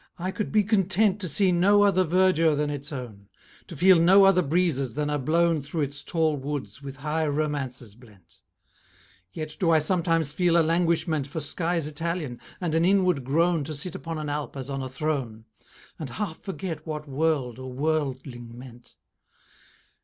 I could be content To see no other verdure than its own; To feel no other breezes than are blown Through its tall woods with high romances blent: Yet do I sometimes feel a languishment For skies Italian, and an inward groan To sit upon an Alp as on a throne, And half forget what world or worldling meant.